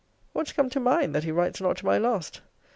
What's come to mine, that he writes not to my last?